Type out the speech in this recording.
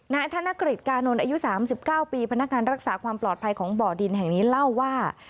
ธนกฤษกานนท์อายุ๓๙ปีพนักงานรักษาความปลอดภัยของบ่อดินแห่งนี้เล่าว่า